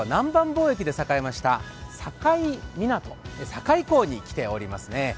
貿易で栄えました堺港に来ております。